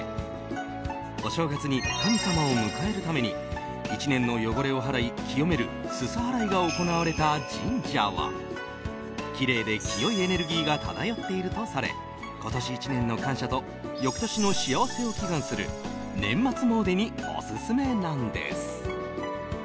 お正月に神様を迎えるために１年の汚れを払い清めるすす払いが行われた神社はきれいで清いエネルギーが漂っているとされ今年１年の感謝と翌年の幸せを祈願する年末詣にオススメなんです。